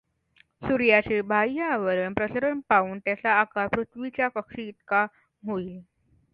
सूर्याचे बाह्य आवरण प्रसरण पावून त्याचा आकार पृथ्वीच्या कक्षेइतका होइल.